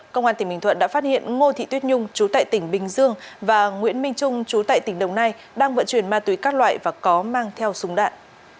công an tỉnh bình thuận đã phát hiện ngô thị tuyết nhung chú tại tỉnh bình dương và nguyễn minh trung chú tại tỉnh đồng nai đang vận chuyển ma túy các loại và có mang theo súng đạn